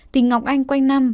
tình ngọc anh quanh năm